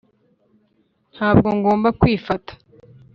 ntabwo ngomba kwifata.